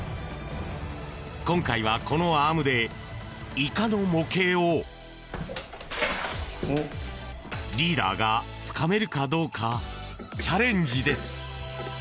今回はこのアームでイカの模型をリーダーがつかめるかどうかチャレンジです！